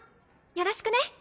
よろしくね。